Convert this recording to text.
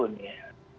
namun kita harus